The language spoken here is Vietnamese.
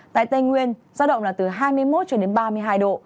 tại tây nguyên gió động là từ hai mươi một ba mươi hai độ